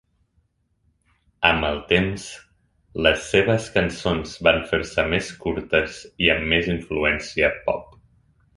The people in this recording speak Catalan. Amb el temps, les seves cançons van fer-se més curtes i amb més influència pop.